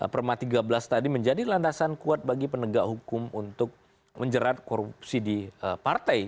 perma tiga belas tadi menjadi landasan kuat bagi penegak hukum untuk menjerat korupsi di partai